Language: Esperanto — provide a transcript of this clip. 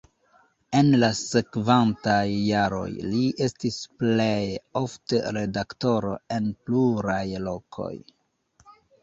En la sekvantaj jaroj li estis plej ofte redaktoro en pluraj lokoj.